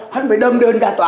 hắn phải đơm đơn ra tòa